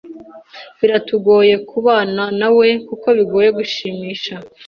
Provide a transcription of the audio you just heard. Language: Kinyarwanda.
Biratugoye kubana na we, kuko bigoye gushimisha.